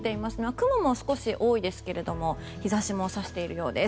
雲も少し多いですけれども日差しもさしているようです。